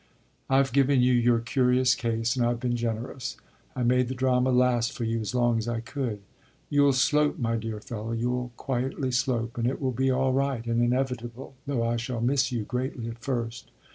I've given you your curious case and I've been generous; I made the drama last for you as long as I could. You'll 'slope,' my dear fellow you'll quietly slope; and it will be all right and inevitable, though I shall miss you greatly at first.